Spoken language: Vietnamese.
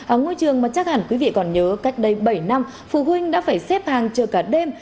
ở ngôi trường mà chắc hẳn quý vị còn nhớ cách đây bảy năm phụ huynh đã phải xếp hàng chờ cả đêm